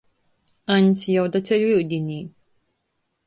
Aņds jau da ceļu iudinī.